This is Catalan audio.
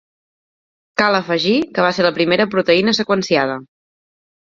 Cal afegir que va ser la primera proteïna seqüenciada.